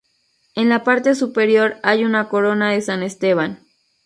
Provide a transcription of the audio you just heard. En la parte superior hay una corona de San Esteban.